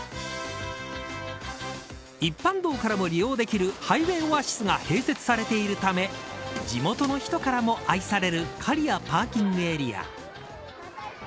一般道からも利用できるハイウェイオアシスが併設されているため地元の人からも愛される刈谷パーキングエリア。